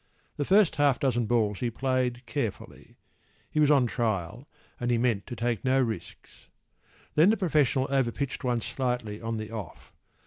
The first half dozen balls he played carefully.  He was on trial, and he meant to take no risks.  Then the professional over pitched one slightly on the off.